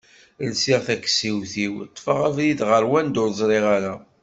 lsiɣ takessiwt-iw ṭfeɣ abrid ɣer wanda ur ẓriɣ ara.